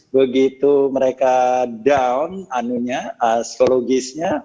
begitu mereka down psikologisnya